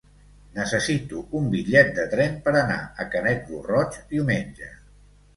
Necessito un bitllet de tren per anar a Canet lo Roig diumenge.